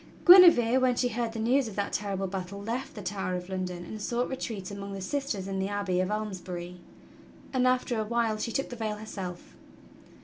^ Guinevere, when she heard the news of that terrible battle, left the Tower of London and sought retreat among the sisters in the abbey of Almesbury, and after a while she took the veil herself.